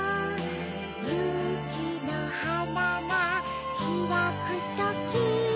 ゆうきのはながひらくとき